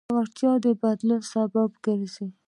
زړورتیا د بدلون سبب ګرځي.